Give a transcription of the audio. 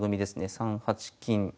３八金。